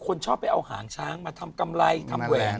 คนชอบไปเอาหางช้างมาทำกำไรทำแหวน